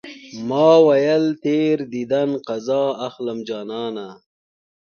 ما ويل تېر ديدن قضا اخلم جانانه